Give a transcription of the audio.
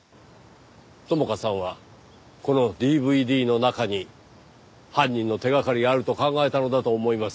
朋香さんはこのＤＶＤの中に犯人の手掛かりがあると考えたのだと思います。